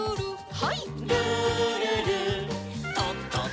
はい。